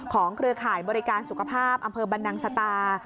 เครือข่ายบริการสุขภาพอำเภอบรรนังสตา